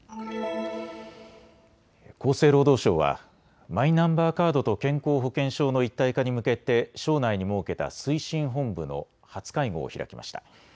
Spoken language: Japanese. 厚生労働省はマイナンバーカードと健康保険証の一体化に向けて省内に設けた推進本部の初会合を開きました。